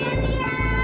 yuk yuk yuk